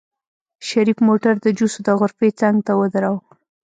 شريف موټر د جوسو د غرفې څنګ ته ودروه.